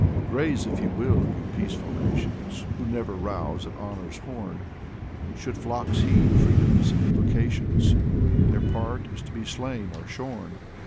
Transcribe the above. .•. Graze if you will, you peaceful nations, Who never rouse at honor's horn! Should flocks heed freedom's invocations? Their part is to be slain or shorn.